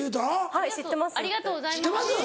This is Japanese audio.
「はい知ってます」って。